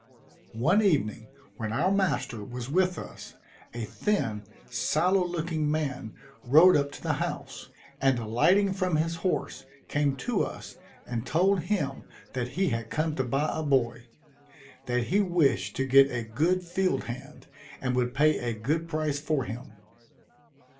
One evening, when our master was with us, a thin, sallow looking man rode up to the house, and alighting from his horse, came to us, and told him that he had come to buy a boy; that he wished to get a good field hand, and would pay a good price for him.